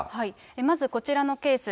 まず、こちらのケース。